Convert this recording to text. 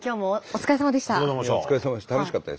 お疲れさまでした。